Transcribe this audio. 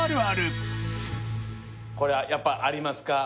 これはやっぱありますか？